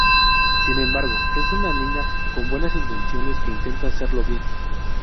Sin embargo, es una niña con buenas intenciones que intenta hacerlo bien.